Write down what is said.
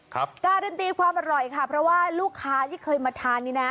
การันตีความอร่อยค่ะเพราะว่าลูกค้าที่เคยมาทานนี่นะ